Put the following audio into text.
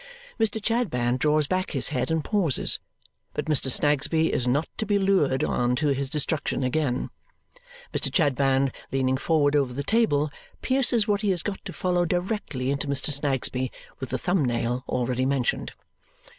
Mr. Chadband draws back his head and pauses, but Mr. Snagsby is not to be lured on to his destruction again. Mr. Chadband, leaning forward over the table, pierces what he has got to follow directly into Mr. Snagsby with the thumb nail already mentioned.